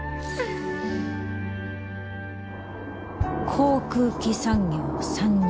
航空機産業参入。